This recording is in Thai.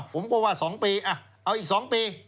ผมก็ว่า๒ปีเอาอีก๒ปี